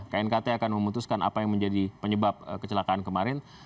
knkt akan memutuskan apa yang menjadi penyebab kecelakaan kemarin